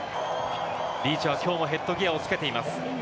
リーチはきょうもヘッドギアをつけています。